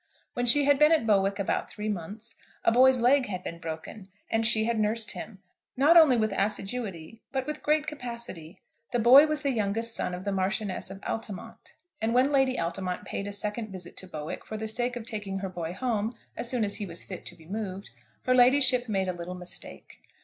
When she had been at Bowick about three months, a boy's leg had been broken, and she had nursed him, not only with assiduity, but with great capacity. The boy was the youngest son of the Marchioness of Altamont; and when Lady Altamont paid a second visit to Bowick, for the sake of taking her boy home as soon as he was fit to be moved, her ladyship made a little mistake.